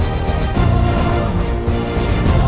perempuan sesatik mereka